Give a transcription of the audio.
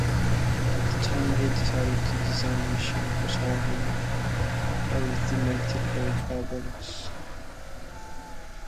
At that time he decided to design a machine for solving arithmetical problems.